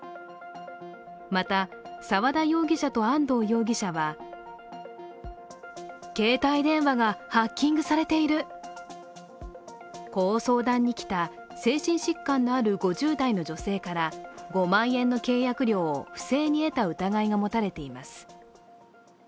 また、沢田容疑者と安藤容疑者はこう相談に来た精神疾患のある５０代の女性から５万円の契約料を不正に得た疑いが持たれています。